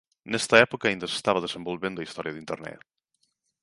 Nesta época aínda se estaba desenvolvendo a historia de Internet.